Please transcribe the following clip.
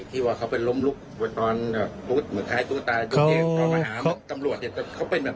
ที่ว่าเขาเป็นล้มลุกตอนเหมือนท้ายตรงตายตอนมาหาตำรวจเขาเป็นแบบไง